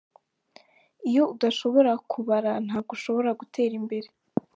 Iyo udashobora kubara ntabwo ushobora gutera imbere”.